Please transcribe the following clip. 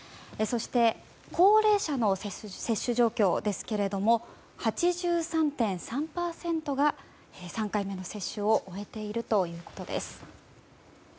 そして高齢者の接種状況ですけれども８３．３％が３回目の接種を終えているということです。